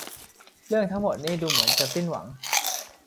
เรื่องทั้งหมดนี่ดูเหมือนจะสิ้นหวัง